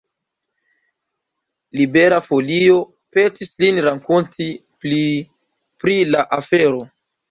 Libera Folio petis lin rakonti pli pri la afero.